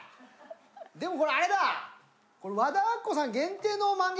でもこれあれだ。